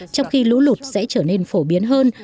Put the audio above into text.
trong khi lũ lụt sẽ trở nên phổ biến hơn